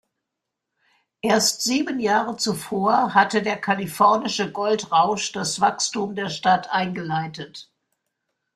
Erst sieben Jahre zuvor hatte der kalifornische Goldrausch das Wachstum der Stadt eingeleitet.